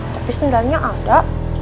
tapi sebenarnya ada